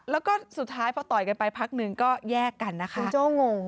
แล้วก็สุดท้ายพอกล่อยกันไปพักนึงก็แยกกันค่ะโจ้งง